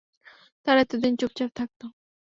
তারা এতদিন চুপচাপ থাকতো।